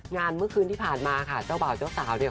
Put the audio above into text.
เมื่อคืนที่ผ่านมาค่ะเจ้าบ่าวเจ้าสาวเนี่ย